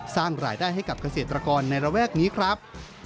สร้างรายได้ให้กับเกษตรกรในระแวกนี้ครับ